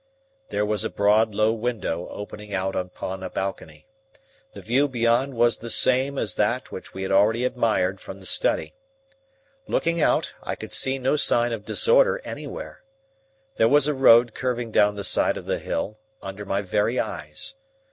There was a broad, low window opening out upon a balcony. The view beyond was the same as that which we had already admired from the study. Looking out, I could see no sign of disorder anywhere. There was a road curving down the side of the hill, under my very eyes.